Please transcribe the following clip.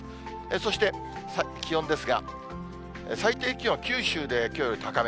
そして気温ですが、最低気温は九州できょうより高め。